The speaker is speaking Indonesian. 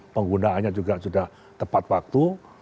penggunaannya juga sudah tepat waktu